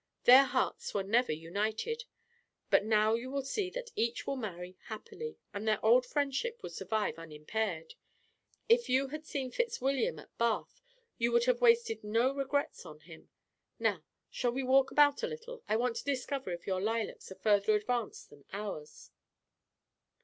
Their hearts were never united; but now you will see that each will marry happily, and their old friendship will survive unimpaired. If you had seen Fitzwilliam at Bath, you would have wasted no regrets on him. Now, shall we walk about a little? I want to discover if your lilacs are further advanced than ours."